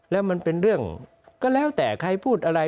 แล้วมันเป็นเรื่องก็แล้วแต่ใครพูดอะไร